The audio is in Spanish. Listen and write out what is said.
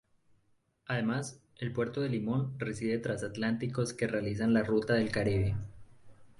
Además, el puerto de Limón recibe trasatlánticos que realizan la ruta del Caribe.